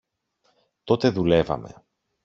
Τότε δουλεύαμε.